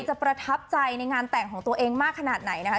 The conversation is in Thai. ประทับใจในงานแต่งของตัวเองมากขนาดไหนนะคะ